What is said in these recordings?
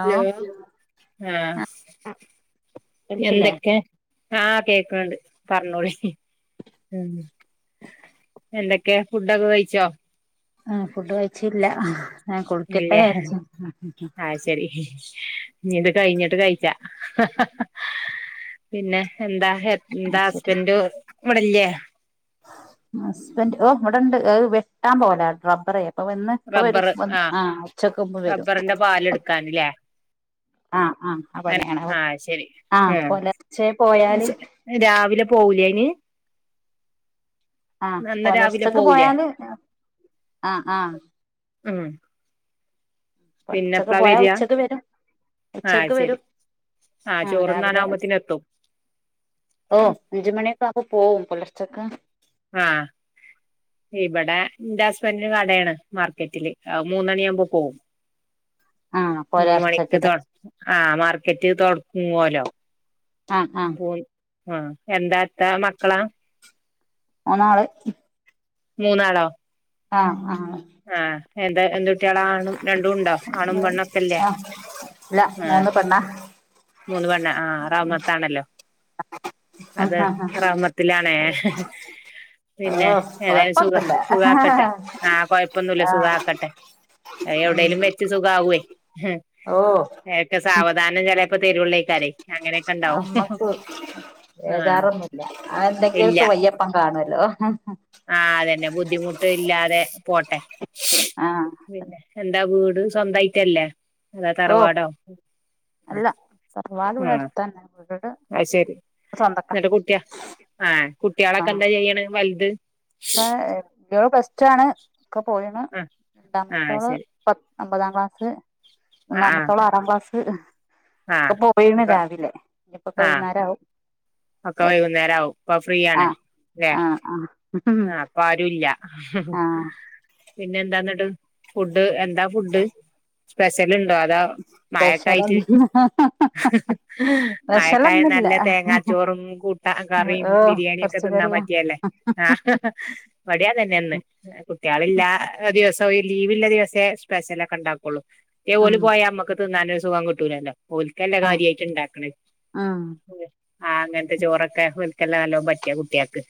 Hello ആഹ് കേൾക്കില്ലേ എന്തൊക്കെ ആഹ് കേക്ക്ണ്‌ണ്ട് പറഞ്ഞോളി ഉം എന്തൊക്കെയാ ഫുഡൊക്കെ കഴിച്ചോ ആ ഫുഡ് കഴിച്ചില്ല ഞാൻ കുളിക്കട്ടെ ഇല്ലേ ജാരിച്ച് [unintelligible] ആഹ് ശരി ഇഞ്ഞിത് കഴിഞ്ഞിട്ട് കഴിച്ചാ പിന്നെ എന്താ അത് എന്താ ശരി ഹസ്ബൻഡ് ഇവിടെല്ലേ ഹസ്ബന്റ് ഓഹ് ഇവിടെണ്ട് അത് വെട്ടാൻ പോല റബ്ബറെ ഇപ്പൊ വന്ന് ഇപ്പൊ വരും റബ്ബർ വ ആഹ് ആ ഉച്ചക്ക് മുമ്പ് വരും റബ്ബറിന്റെ പാലെടുക്കാന്ല്ലേ ആഹ് ആഹ് ആ പണി ആണ് അപൊ ആഹ് ശരി ആഹ് പൊലർച്ചെ പോയാല് ഏഹ് രാവിലെ പോവുലെ അയിന് ആഹ് നന്ന രാവിലെ പൊലർച്ചക്ക് പോവൂലേ പോയാല് ആഹ് ആഹ് ഉം പിന്നെ പുലർച്ചക്ക് എപ്പളാ പോയാ വരിയാ ഉച്ചക്ക് വരും ആഹ് ഉച്ചക്ക് ശരി വരും ആഹ് ആ രാവിലെ ചോറുണ്ണാനാവുമ്പോത്തിന് എത്തും അഞ്ചു മണിയൊക്ക ആവുമ്പൊ പോവും പുലർച്ചക്ക് ആഹ് ഇവടെ ഇന്റെ ഹസ്ബൻന്റിന് കടേണ് മാർക്കറ്റില്. അത് മൂന്നണി ആവുമ്പോ പോവും ആ മൂന്ന് പുലർച്ചക്ക് മണിക്ക് ല്ലേ തൊ ആഹ് മാർക്കറ്റ് തൊടങ്ങോല്ലോ ആ ആ പോയ് ആഹ് എന്താത്ത മക്കളാ മൂന്നാള് മൂന്നാളോ ആഹ് ആഹ് ആഹ് എന്ത് എന്തു ട്ട്യാളാ ആണും രണ്ടും ഉണ്ടോ ആണും പെണ്ണൊക്കെല്ലേ ആ ഇല്ല ആഹ് മൂന്ന് പെണ്ണാ മൂന്ന് പെണ്ണ് ആ റഹ്മത്താണല്ലോ ഓ അതെ റഹ്മത്തിലാണേ പിന്നെ ഏതായാലും സുഖ കൊഴപ്പൊന്നുമില്ല സുഖ ആക്കട്ടെ ആ കൊഴപ്പൊന്നു ആ സുഖ ആക്കട്ടെ അത് എവിടെലും വെച്ച് സുഖ ആവൊയ് ഓഹ് ഏക്കെ സാവധാനം ചെലേപ്പോ തെരൊള്ളെയ്ക്കാരെ അമ്മക്ക് ആഹ് ബേജാറൊന്നുല്ല അത് ഇല്ല ണ്ടെങ്കിപ്പ വയ്യപ്പം ക്കാണോല്ലോ ആഹ് അതന്നെ ബുദ്ധിമുട്ട് ഇല്ലാതെ പോട്ടെ ആ പിന്നെ എന്താ വീട് സ്വന്തയിട്ടല്ലേ അതാ ഓ തറവാടോ അല്ല തറവാട് ഇവിടെ ആഹ് അടുത്ത് തന്നെ വീട് അത് ശെരി സ്വന്തക്കാ എന്നിട്ട് കുട്ടിയ ആഹ് കുട്ടിയളൊക്കെ എന്താ ചെയ്യണ് വൽത് ഏഹ് ല്ലിയോള് പ്ലസ്റ്റു ആണ് ക്കെ പോയിണ് ആഹ് ആഹ് രണ്ടാമത്തോള് ശരി പ ഒമ്പതാം ക്ലാസ്സ്‌ ആഹ് ഒന്നാമത്തോള് ആഹ് ആറാം ക്ലാസ്സ്‌ ആഹ് ഇപ്പ പോയിണ് അപ്പൊ രാവിലെ ഇനിപ്പക്കെ ആഹ് വൈന്നേരം ആവും ഒക്കെ വരണ വൈകുന്നേര ആവും ഇപ്പ ഫ്രീ ആ ആണ് ല്ലേ ആ ആ ആഹ് ഇപ്പൊ ആരുല്ല ആ പിന്നെ എന്താന്നിട്ട് ഫുഡ് എന്താ ഫുഡ് സ്പെഷ്യല് ഉണ്ടോ അതോ സ്പെഷ്യൽ മഴക്കായിട്ട് [unintelligible] മഴക്കായണ്ട് സ്പെഷലൊന്നുല്ല നല്ല തേങ്ങാ ചോറും കൂട്ടാ കറിയും ഓ ബിരിയാണിയ ഒക്കെ തിന്നാൻ പച്ചക്കറിയാ പറ്റിയല്ലേ ആഹ് ആഹാ ഇബാടിം അതന്നെയ ഇന്ന് കുട്ടികളില്ല ദിവസം ലീവില്ല ദിവസേ സ്പെഷ്യല ഒക്കെ ഇണ്ടാക്കുള്ളൂ ഈ ഉം ഓല് പോയാ നമ്മുക്ക് തിന്നാണ് ന്നൊരു സുഖം കിട്ടൂലല്ലോ ഓല് കല്ലേ ആഹ് കാര്യായിട്ട് ഉണ്ടാക്കണ ഉം ആഹ് അങ്ങനത്തെ ചോറൊക്കെ ഒല്ക്കല്ല നല്ലോ പറ്റ കുട്ടിൾക്ക്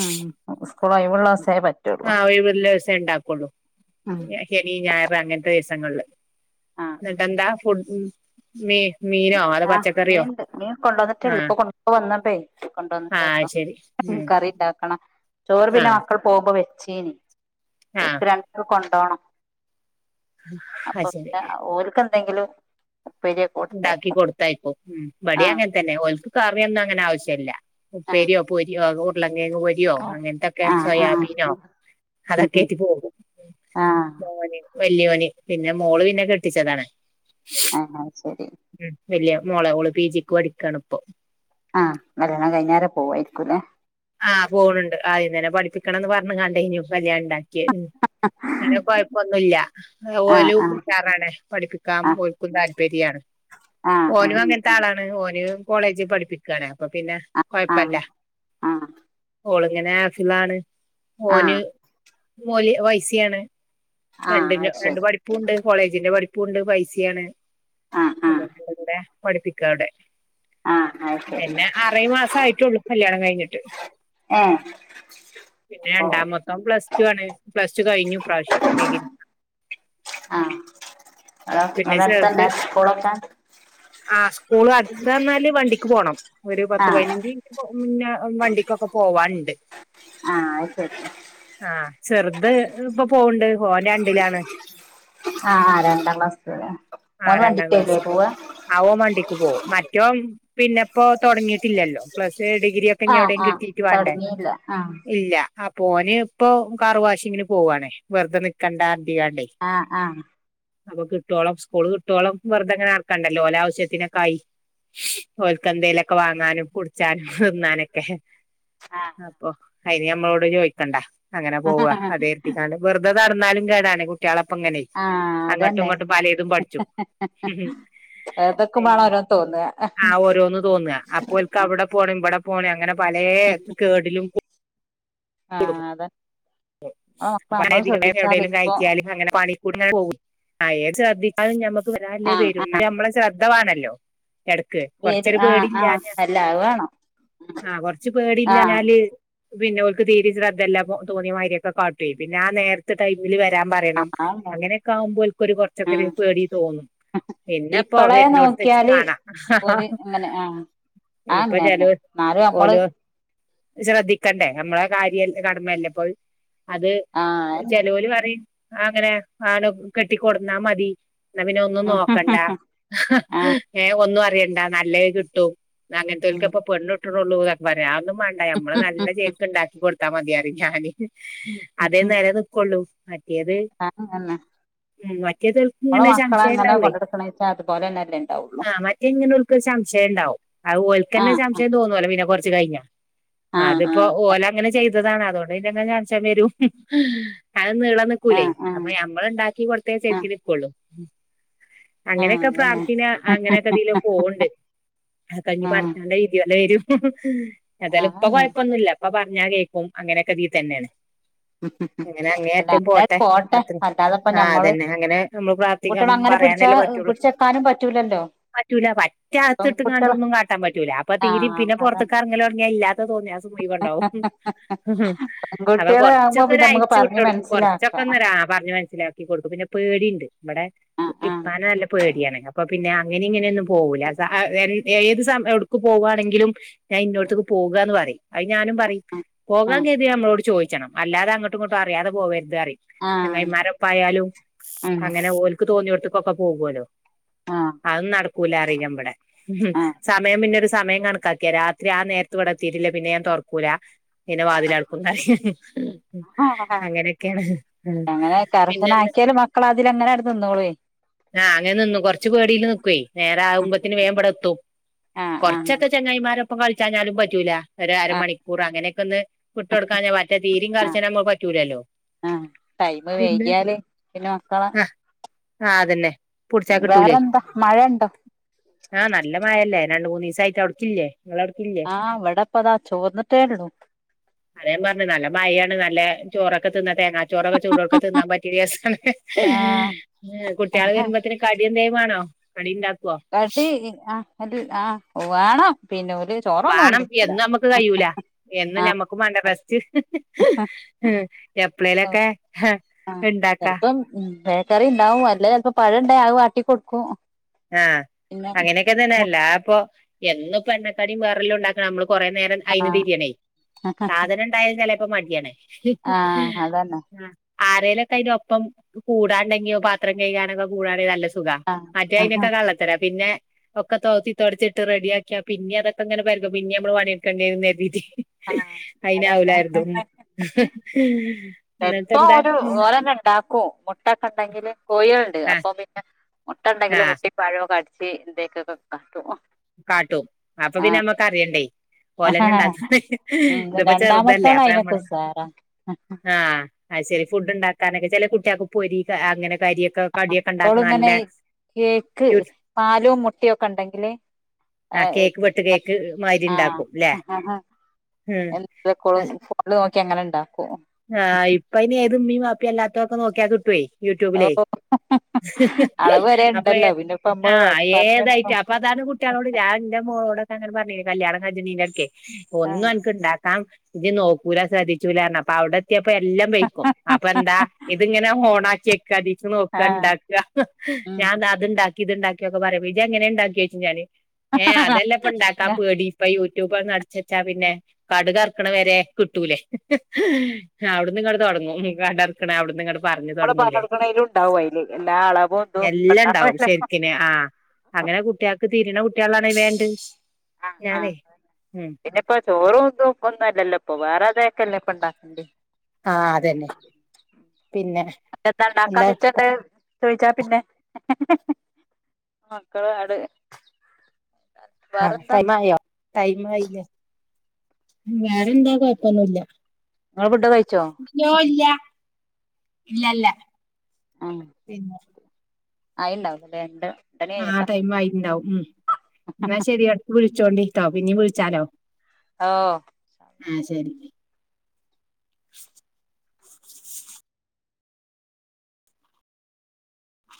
ആഹ് സ്കൂളയിവിള്ള സേ പ ആഹ് ഒഴിവില്ല ദിസേ ഇണ്ടാക്കുള്ളൂ ഉം ശനി ഞായറ് അങ്ങനത്തെ ദിവസങ്ങളില് ആഹ് എന്നിട്ടെന്താ ഫു മീ മീനോ അതോ ആ പച്ചക്കറിയോ മിനീണ്ട് മീൻ കൊണ്ടുവന്നിട്ടേള്ളു, ആഹ് ഇപ്പൊ കൊണ്ട് വന്ന പേ കൊണ്ട് ആഹ് വന്നിട്ടേള്ളൂ. ശരി ഉം കറി ഉണ്ടാക്കണം ചോറ് പിന്നെ ആഹ് മക്കൾ പോകുമ്പോ വെച്ചീന്. ആഹ് കൊണ്ടണം അപ്പൊ അത് ശരി പിന്നെ ഓൽക്ക് എന്തെങ്കിലും ഉപ്പേരിക്കെ ഉണ്ടാക്കി കൊടുത്തായിപ്പോ, ഉം ഇവിടെ അങ്ങനെ തന്നെ ഓൽക്ക് കറിയൊന്നും അങ്ങനെ ആവശ്യം ഇല്ല. ആഹ് ഉപേരിയോ, പൊരിയോ ഉരുലകിഴങ്ങ് പൊരി യോ അങ്ങനത്തൊക്കെ ആഹ് ആഹ് സോയാബീനോ ഉം അതൊക്കെ ഉം ആയിട്ട് പോകും. ആഹ് മോന് വലിയോനി പിന്നെ മോള് പിന്നെ കെട്ടിച്ചതാണ്. ആഹ് ആ ശരി ഉം വലിയ മോള് അവള് പി ജിക്ക് പഠിക്കണിപ്പൊ. ആഹ് കല്യാണം കൈഞ്ഞേരം പോവായിരിക്കും. അല്ലേ ആഹ് പോണുണ്ട്, ആദ്യന്നേ പഠിപ്പിക്കണംന്ന് പറഞ്ഞു കണ്ട് ഞ്ഞു കല്യാണം ഉണ്ടാക്കിയെ അങ്ങനെ കുഴപ്പൊന്നുമില്ല. ഓല ആഹ് ആഹ് കൂട്ടാറാണ് പഠിപ്പിക്കാ ആഹ് ഒൽക്കും താല്പര്യാണ്. ആഹ് ഓനും അങ്ങനത്തെ ആളാണ്, ഓനും കോളേജിൽ പഠിപ്പിക്കുയാണ് അപ്പൊ പിന്നെ ആഹ് കുഴപ്പില്ല. ആഹ് ഓളിങ്ങനെ ആഫിലാണ് ആഹ് ആഹ് ആഹ് മോന് മോലി വൈസിയാണ്. രണ്ടി ആഹ് അത് രണ്ട് ശരി പഠിപ്പും ഉണ്ട്. കോളേജിന്റെ പഠിപ്പും ഉണ്ട് പൈസയാണ്. ആഹ് ആഹ് തടെ പഠിപ്പിക്കവിടെ ആഹ് അത് ശരി പിന്നെ അറേ മാസ ആയിട്ടുള്ളു കല്യാണം കഴിഞ്ഞിട്ട്. ആഹ് പിന്നെ രണ്ടാമത്തം പ്ലസ് ടു ആണ് പ്ലസ്ടു കഴിഞ്ഞു, ഈ പ്രാവശ്യം ഡിഗ്രി ആഹ അ പിന്നെ അവിടെടുത്തന്നെ സ്കൂളൊക്കാ ആഹ് സ്കൂൾ അടുത്തന്നാല് വണ്ടിക്ക് പോകണം. ഒരു പത്ത് ആഹ് പതിനഞ്ച് മിനി ഇപ്പോ മുന്നേ വണ്ടിക്കൊക്കെ പോവാനുണ്ട്. ആഹ് അത് ശരി ആഹ് ചെറുത് ഇപ്പൊ പോവണ്ട് ഓൻ രണ്ടിലാണ്. ആഹ് ആ രണ്ടാം ക്ലാസ് ഓൻ വണ്ടീക്കല്ലേ പോവ ആവൻ വണ്ടിക്ക് പോകും മറ്റോൻ പിന്നെപ്പോ തുടങ്ങിയിട്ടില്ലല്ലോ പ്ലസ് ഡിഗ്രി പിന്നെ ആഹ് എവിടെയും ആഹ് കിട്ടീട്ട് വേണ്ടേ. തൊടങ്ങിയില്ല ആഹ് ഇല്ല അപ്പോ പോന് ഇപ്പൊ കാറു വാശിങ്ങിന് പോവാണേ വെറുതെ നിക്കണ്ട ആതിയണ്ടേ ആഹ് ആഹ് അപ്പൊ കിട്ടോളം സ്കൂള് കിട്ടോളം വെറുതെങ്ങെ ആർക്കാണ്ടല്ലോ ഓൻ്റെ ആശ്യത്തിനൊക്ക ആയി ഓൽക്കെന്തയിലൊക്കെ വാങ്ങാനും കുടിച്ചാനും തിന്നാനൊക്കെ ആഹ് അപ്പൊ അയിനി മ്മളോട് ചോദിക്കണ്ട അങ്ങനെ പോവ ആഹ് ആഹ് അതെരുത്തിക്കാണ്ട് വെറുതെ നടന്നാലും കേടാണ്. കുട്ട്യാളെപ്പം ഇങ്ങനെ അങ്ങട്ടും അതന്നെ ഇങ്ങട്ടും പലേതും പഠിച്ചും അതൊക്കെ വേണം പിന്നെ ഓരോന്ന് തോന്നുക ആഹ് ഓരോന്ന് തോന്നുക അപ്പോൽക്ക് ആഹ് അവിടെ പോണം ഇവിടെ പോണം അങ്ങനെ പലേ കേടിലും ആഹ് അത അത്പ്പ നമ്മള് അധികം ശ്രദ്ധിച്ചാൽ എവിടെേലും ഇപ്പൊ കയറ്റിയാലും അങ്ങനെ പണിക്കൂടെ അങ്ങനെ പോകും ആഹ് ഏത് ശ്രദ്ധിചാലും ഞമ്മക്ക് വരാല്ലേ ആഹ് വരും ആഹ് ഞമ്മളെ [unintelligible] ദ്ധവാണല്ലോ? എടക്ക് വരും കൊറച്ചരു ആഹ് ആഹ് പേടിയില്ലഞ്ഞ അല്ല അത് വേണം ആഹ് കൊറച്ച് ആഹ് പേടില്ലാഞാല് പിന്നെ ഓൽക്ക് തീരി ശ്രദ്ധെല്ല തോന്നിയ മാതിരിയൊക്കെ കാട്ടോയ് പിന്നെ ആ നേരത്ത് ത്ത് ടൈമിൽ വരാൻ പറയണം. ആഹ് അങ്ങനെയൊക്കെ ആവുമ്പോ ഓൽക്ക് ഒരു ഉം കുറച്ചൊക്കെരു പേടി തോന്നും. പിന്നെപോ ഇപ്പളേ വരണടത്ത് വച്ച് നോക്കിയാല് കാണാം. ഒരു അങ്ങനെ ആഹ് ഇപ്പൊ ആങ്ങന്നെ ചെലോ എന്നാലും നമ്മള് ഓലോ ശ്രദ്ധിക്കണ്ടേ നമ്മളെ കാര്യ കടമയല്ലപ്പത് അത് ആഹ് അന്നെ ചെലോല് പറയും, അങ്ങനെ ആണ് കെട്ടി കൊണ്ടുന്നാ മതി. എന്നാ പിന്നെ ഒന്നും നോക്കണ്ട ആഹ് ഏഹ് ഒന്നും അറിയണ്ട നല്ലത് കിട്ടും അങ്ങനത്തെൽക്കപ്പ പെണ്ണു കിട്ടണൊള്ളൂതൊക്കെ പറയും അതൊന്നും വേണ്ട നമ്മള് നല്ല ചേൽക്ക് ഉണ്ടാക്കി കൊടു ത്താ മതിയാറിം ഞാന് അതേ നെല നിക്കുള്ളൂ മറ്റേത് ആഹ് അതെന്നെ ഉം മറ്റേതോൽക്ക് നമ്മടെ ഇങ്ങനെ മക്കള് സംശയം എങ്ങനെ ഉണ്ടാവേ കൊണ്ടടുക്കണേ വെച്ചാ അതുപോലെന്നല്ലേ ഇണ്ടാവുള്ളു ആ മറ്റേ ഇങ്ങനെ ഓൽക്കൊരു സംശയം ഉണ്ടാവും അത് ഓൽക്കന്നെ ആഹ് സംശയം തോന്നുവലോ പിന്നെ കുറച്ച് കഴിഞ്ഞ ആഹ് അതിപ്പോ ഓല് അങ്ങനെ ചെയ്തതാണ് അതുകൊണ്ട് പിന്നെ അങ്ങനെ സംശയം വരും അത് നീളം നിക്കു ക്കുല്ലേയ് ആഹ് ആഹ് ആഹ് അപ്പൊ ഞമ്മള് ഉണ്ടാക്കി കൊടുത്തേ ശരിക്ക് ആഹ് നിക്കുള്ളൂ ആഹ് അങ്ങനെയൊക്കെ അതന്നെ പ്രാർത്ഥിനാ അങ്ങനെയൊക്കെ ഇതിലെ പോവ്ണ്ട് അത് കഴിഞ്ഞ് ആഹ് പടച്ചോന്റെ വിധി പോലെ വരും എതായാലും ഇപ്പ അതന്നെ കൊഴപ്പൊന്നുല്ല ഇപ്പൊ പറഞ്ഞാ കേക്കും അങ്ങനെയൊക്കെതിൽ തന്നെയാണ് അങ്ങനെ അല്ല അങ്ങേയറ്റം അങ്ങനെ പോട്ടെ അത്ര അല്ലാതെപ്പ ആഹ് ഞമ്മള് അതന്നെ അങ്ങനെ നമ്മള് പെൺ പ്രാർത്ഥിക്കാൻ കുട്ട്യേളെ അങ്ങനെ പിടിച്ച പറയാനല്ലേ പറ്റുള്ളൂ പിടിച്ചു വെക്കാനും പറ്റൂലല്ലോ പറ്റൂല പറ്റ അകത്ത് ഇട്ടോണ്ട് പെൺകുട്ടികള് ഒന്നും കാട്ടാൻ പറ്റൂല അപ്പൊ തീരെ ആഹ് പിന്നെ പുറത്തേക്ക് ഇറങ്ങല് തുടങ്ങിയ ഇല്ലാ ത്ത തോന്നിയവാസം മുഴുവൻ ഉണ്ടാവും പെങ്കുട്ട്യാള് ഒരു അയച്ചു വിട്ട് കൊടുക്കും കൊറച്ചൊക്കെ നോരാ പറഞ്ഞ് മനസ്സിലാക്കി കൊടുക്കും പിന്നെ പേടീണ്ട് ഇവടെ ആ ആ ഇപ്പാനെ നല്ല പേടിയാണ് അപ്പൊ പിന്നെ അങ്ങനെ ഇങ്ങനെയൊന്നും പോകൂല [unintelligible] ഏത് സമ എടുക്ക് പോവാണെങ്കിലും ഞാൻ ഇന്നോടത്തേക്ക് പോകുവാന്ന് പറയും അത് ഞാനും പറയും ആ പോകാൻ കരുതിയാ നമ്മളോട് ചോദിച്ചണം അല്ലാതെ അങ്ങോട്ടും ഇങ്ങോട്ടും അറിയാതെ പോകരുത് പറയും ആ ചങ്ങായിമാരൊപ്പായാലും ഉം അങ്ങനെ ഓലക്ക് തോന്നിയിടത്തക്കൊക്കെ പോകുവല്ലോ ആ അതോന്നും നടക്കൂല അറിയും ഞാൻ ഇവടെ ഉം ആ സമയം പിന്നൊരു സമയം കണക്കാക്കിയാ രാത്രി ആ നേരത്ത് ഇവിടെത്തിട്ടില്ലേ പിന്നെ ഞാൻ തൊറക്കൂല പിന്നെ വാതിലടക്കുന്ന് അറിയും ഉം അങ്ങനൊക്കെയാണ് ഉം അങ്ങനെ കർശന പിന്നെന്താ ആക്കിയാല് മക്കൾ അതിലങ്ങനെ അങ്ങട് നിന്നോളേ ആഹ് അങ്ങനെ നിന്നു കൊറച്ച് പേടിയിൽ നിക്കുവേ നേരാകുമ്പത്തേന് വേം ഇബടെത്തും ആ ആ കുറച്ചൊക്കെ ചങ്ങായിമാരൊപ്പൊ കളിച്ചഞ്ഞാലും പറ്റൂല ഒരരമണിക്കൂർ അങ്ങനെയൊക്കെ ഒന്ന് വിട്ട് കൊടുക്കാൻ തീരിം ആ കർശനം ആവുമ്പോ പറ്റൂല്ലല്ലോ ആ ടൈമ് പിന്നെ വൈകിയാല് പിന്നെ മക്കളെ ആഹ് അതന്നെ പുടിച്ചാൽ കിട്ടൂലേ വേറെന്താ മഴ ഉണ്ടോ ആഹ് നല്ല മഴല്ലേ രണ്ട് മൂന്ന് ദിവസ ആയിട്ട് അവിടെക്കില്ലേ ഇങ്ങളെ അവ്ടുക്ക് ഇല്ലാ ആഹ് ഇവിടപ്പതാ ചോർന്നിട്ടേ ഉള്ളു അതാ ഞാൻ പറഞ്ഞെ നല്ല മഴയാണ് നല്ല ചോറൊക്കെ തിന്നട്ട് തേങ്ങാ ചോറക്കെ ചൂടുക്കെ തിന്നാൻ പറ്റിയ ദിവസാണ് ആ കുട്ടികള് വരുമ്പോത്തേ കടിയെന്തേലും വേണോ ക്രെഡിറ്റാക്കുവാ [unintelligible] കടി ആഹ് അല്ല ആഹ് വാണം പിന്നെ പോല [unintelligible] വാണം എ നമ്മുക്ക് കഴിയൂല എന്ന് ആ ഞമ്മക്കും വേണ്ടെ റസ്റ്റ് ഉം എപ്പളെലൊക്കെ ആഹ് ചിലപ്പം ബേക്കറി ഉണ്ടാവും അല്ലെ ചിലപ്പോ പഴം ഇണ്ടെ അത് വാട്ടി കൊടുക്കും ആഹ് പിന്നെ അങ്ങനെ ല്ല അപ്പൊ എന്നു പ്പ എണ്ണക്കടീം വേറെല്ലാം ഉണ്ടാക്കണം നമ്മള് കൊറേ നേരം അയിന് ആഹ് തിരിയണേ സാധനം ഉണ്ടായാലും ചിലപ്പോ മടിയാണേ ആഹ് അതന്നെ ആ ആരേലൊക്കെ അതിന ഒപ്പം കൂടാണ്ടെങ്കിയോ പാത്രം കഴുകാണെങ്കോ കൂടാണെങ്കോ നല്ല സുഖം ആഹ് മറ്റേ അതിന ആഹ് ള്ളത്തരാ പിന്നെ ഒക്കെ തോത്തി തുടച്ചിട്ട് റെഡിയ ആക്കിയാ പിന്നെ അതൊക്കെങ്ങനെ പരതും പിന്നെ നമ്മള് പണെടുക്കേണ്ടിര എതി അയിന് അതന്നെ ആവലായിരുന്നു എന്നിട്ട എന്താ ഉണ്ടാക്കും മുട്ട ഒക്കെ ഉണ്ടെങ്കിൽ കോഴളുണ്ട് ആഹ് അപ്പൊ പിന്നെ മുട്ട ഉണ്ടെങ്കിൽ ആഹ് മുട്ട പഴമൊ കടച്ച് ഇന്തൊക്കൊക്കെ കാട്ടും കാട്ടും അപ്പൊ പിന്നെ ആഹ് നമ്മക്ക് അറിയണ്ടേ പോലെന്ന ഉണ്ടാ ഉം ഇതിപ്പോ ചെറുതല്ലേ രണ്ടാമത്തോള് അപ്പൊ അയിനൊക്കെ നമ്മളെ ഉസാറാ ആഹ് അത് ശരി ഫുഡ് ഉണ്ടാക്കാനൊക്കെ ചെല കുട്ടികൾക്ക് പൊരി അങ്ങനെ കാര്യക്കെ അപ്പോളിങ്ങനെ കേക്ക് പാലും മുട്ടയും ഒക്കെ ഉണ്ടെങ്കില് ആഹ് കേക്ക് വെട്ട് കേക്ക് മാതിരി ഉണ്ടാക്കും ല്ലേ ആഹ് ഉം [unintelligible] ആഹ് ഇപ്പ അയിന് ഏത് ഉമ്മീ വാപ്പിയും അല്ലാത്തൊക്കെ നോക്കിയാ കിട്ടുവേ ഓ യൂട്യൂബിലേ അളവ് വരെ അപ്പ ഉണ്ടല്ലോ പിന്നെ ഇപ്പ നമ്മള് ആഹ് ഏത് പറഞ്ഞെടുക്കും ഐറ്റം അപ്പ ആ കുട്ടികളോട്ഞ എന്റെറെ കുട്ടികളോട് ഞാൻ എന്റെ മോളോടൊക്കെ അങ്ങനെ പറഞ്ഞിനു കല്യാണം അർജന്റ് ആക്കു ആ ഒന്നും എനക്ക് ഇണ്ടാക്ക ഇത് നോക്കൂല ശ്രദ്ധിച്ചൂലാന്നു അപ്പൊ അവിടെ അതിപ്പോ എല്ലാം പെയക്കും അപ്പൊ എന്താ ഇതങ്ങനെ ഹോണാക്കി കരി നോക്കാ ആഹ് ഉണ്ടാക്ക ഉം ഞാൻ അതുണ്ടാക്കി ഇത്ണ്ടാക്കി ഒക്കെ പറയാം ഇജ്ജ് എങ്ങനെ ഉണ്ടാക്കിയ ഞ്ഞാൽ ഏഹ് അതെല്ലാം ഇപ്പ ഉണ്ടാക്കാം പേടി ഇപ്പൊ യൂട്യൂബ് അങ്ങ് അടച്ചു വെച്ചാ പിന്നെ കട കറക്കണ വരെ കിട്ടൂലേ അവിടന്ന് ഇങ്ങ തുടങ്ങും കടറക്കണ അവിടന്ന് ഇങ്ങ പറഞ്ഞു നമ്മള് തുടങ്ങൂലേ പറഞ്ഞെടുക്കണേലും ഉണ്ടാവും അയില് എല്ലാ അളവും ഇതും എല്ലാം ഉണ്ടാവും ഉണ്ടാവല്ലോ ശരിക്ക ആഹ് അങ്ങനെ കുട്ടികൾക്ക് തിരിയണ കുട്ടികളാണ് വേണ്ട് ഞാനേ ഇപ്പ ചോറും ഒന്നും ഒന്നുമല്ലല്ലോ ഇപ്പൊ വേറെ അതൊക്കെന്നെ ഒക്കെ ഉണ്ടാക്കണ്ട് ആഹ് അതന്നെ പിന്നെ എന്നിട്ട് എന്താ ഉണ്ടാകാൻ പറ്റാണ്ട് ചോയിച്ചാ പിന്നെ മക്കള ആടേ ആഹ് ടൈം ആയോ ടൈം കഴിഞ്ഞ് വേറെന്താ കൊഴപ്പൊന്നുല്ല നിങ്ങെ ഫുഡ് കഴിച്ചോ ഇല്ല ഇല്ല ഇല്ലല്ലാ പിന്നെ അയിണ്ടാവൂല്ലേ എന്റെ ആഹ് ആ ടൈം ആയിട്ട്ണ്ടാവും ഉം എന്നാൽ ശരി എപ്പോവും വിളിച്ചോണ്ടിരിക്കാ പിന്നേം വിളിച്ചാലോ ഓഹ് ആഹ് ശരി